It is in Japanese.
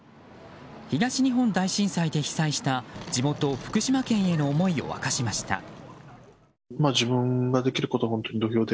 東日本大震災で被災した地元・福島県への思いを明かしました。